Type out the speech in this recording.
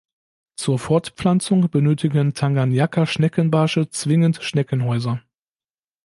Zur Fortpflanzung benötigen Tanganjika-Schneckenbarsche zwingend Schneckenhäuser.